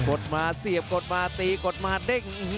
ดมาเสียบกดมาตีกดมาเด้ง